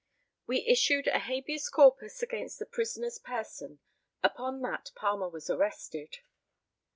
We issued a ca. sa. against the prisoner's person. Upon that Palmer was arrested.